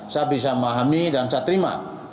saya bisa memahami dan saya terima